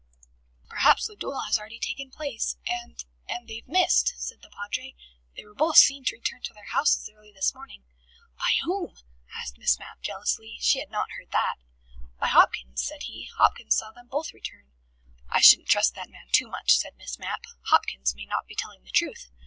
"Perhaps the duel has already taken place, and and they've missed," said the Padre. "They were both seen to return to their houses early this morning." "By whom?" asked Miss Mapp jealously. She had not heard that. "By Hopkins," said he. "Hopkins saw them both return." "I shouldn't trust that man too much," said Miss Mapp. "Hopkins may not be telling the truth.